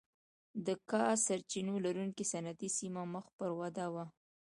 د کا سرچینو لرونکې صنعتي سیمه مخ پر وده وه.